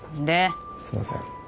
すいません